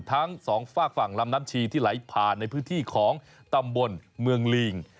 ทั้งสองฝากฝั่งลำน้ำชีที่ไหลผ่านในพื้นที่ของตำบลเมืองลิง